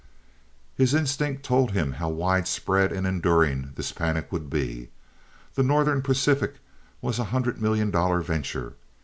His instinct told him how widespread and enduring this panic would be. The Northern Pacific was a hundred million dollar venture.